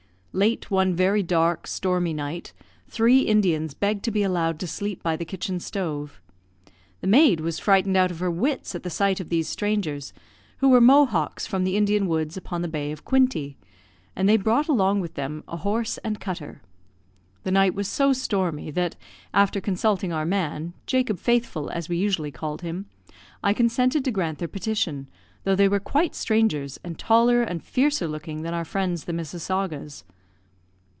Late one very dark, stormy night, three Indians begged to be allowed to sleep by the kitchen stove. The maid was frightened out of her wits at the sight of these strangers, who were Mohawks from the Indian woods upon the Bay of Quinte, and they brought along with them a horse and cutter. The night was so stormy, that, after consulting our man Jacob Faithful, as we usually called him I consented to grant their petition, although they were quite strangers, and taller and fiercer looking than our friends the Missasaguas.